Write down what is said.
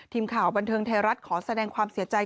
ทีมข่าวบันเทิงไทยรัฐขอแสดงความเสียใจ